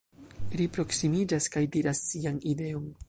Ri proksimiĝas, kaj diras sian ideon: